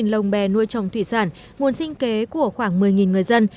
lông bè nuôi trồng thủy sản nguồn sinh kế của khoảng một mươi người dân